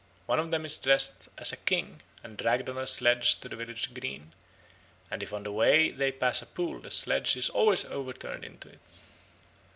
One of them is dressed as a king and dragged on a sledge to the village green, and if on the way they pass a pool the sledge is always overturned into it.